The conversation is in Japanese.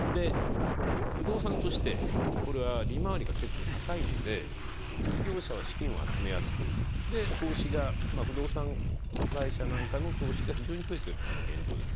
不動産として、これは利回りが結構高いので、事業者は資金を集めやすく不動産会社なんかの投資が非常に増えているっていうのが現状です。